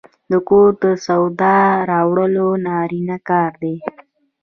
د کور د سودا راوړل د نارینه کار دی.